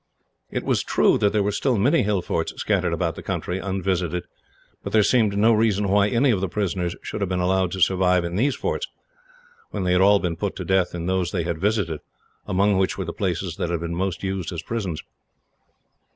It was true that there were still many hill forts scattered about the country, unvisited, but there seemed no reason why any of the prisoners should have been allowed to survive in these forts, when they had all been put to death in those they had visited, among which were the places that had been most used as prisons.